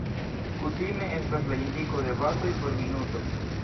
Kutime estas la indiko de batoj por minuto.